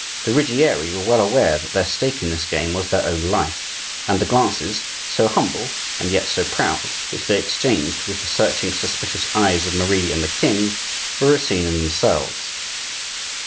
The Ruggieri were well aware that their stake in this game was their own life, and the glances, so humble, and yet so proud, which they exchanged with the searching, suspicious eyes of Marie and the king, were a scene in themselves.